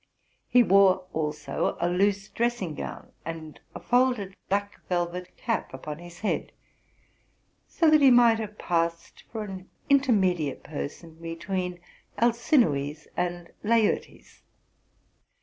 He wore also a loose dressing gown, and a folded black velvet cap upon his head; so that he might have passed for.an intermediate person between Alcinous and Laertes.